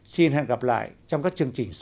xin hẹn gặp lại trong các chương trình sau